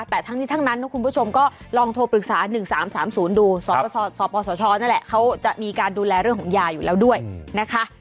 แต่ทั้งนี้ทั้งนั้นนะคุณผู้ชมก็ลองโทรปรึกษา๑๓๓๐ดูสปสชนั่นแหละเขาจะมีการดูแลเรื่องของยาอยู่แล้วด้วยนะคะ